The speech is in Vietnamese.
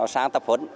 sang tập huấn